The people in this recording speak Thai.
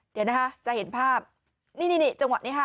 เดี๋ยวนะคะจะเห็นภาพนี่นี่จังหวะนี้ค่ะ